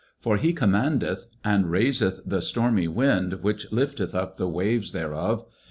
19:107:025 For he commandeth, and raiseth the stormy wind, which lifteth up the waves thereof.